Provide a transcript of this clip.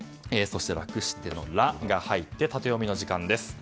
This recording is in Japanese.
そして、楽しての「ラ」が入ってタテヨミの時間です。